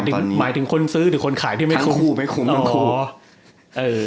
หมายถึงคนซื้อหรือคนขายที่ไม่คุ้มทั้งคู่